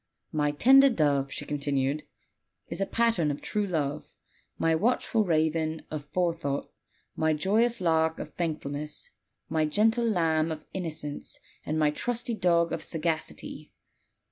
My tender dove," she continued, "is a pattern of true love; my watchful raven of forethought; my joyous lark of thankfulness; my gentle lamb of innocence; and my trusty dog of sagacity.